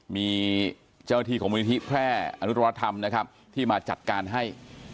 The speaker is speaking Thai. มีเจ้าที่ของมูลนิธิแพร่อนุตรธรรมนะครับที่มาจัดการให้